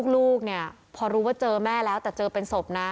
ลูกเนี่ยพอรู้ว่าเจอแม่แล้วแต่เจอเป็นศพนะ